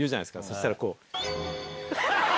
そしたらこう。